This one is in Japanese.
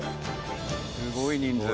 すごい人数。